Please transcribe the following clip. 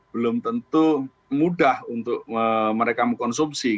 belum tentu mudah untuk mereka mengkonsumsi